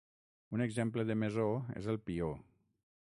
Un exemple de mesó és el pió.